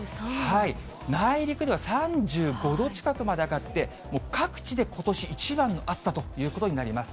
内陸では３５度近くまで上がって、各地でことし一番の暑さということになります。